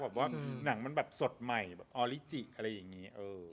ว่าหนังมันแบบสดใหม่ออลิจิอะไรอย่างงี้